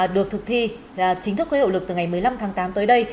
được thực thi chính thức khởi hậu lực từ ngày một mươi năm tháng tám tới đây